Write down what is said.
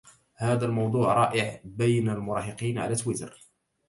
هذا الموضوع رائج بين المراهقين على تويتر.